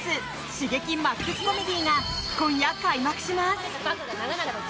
刺激マックスコメディーが今夜開幕します。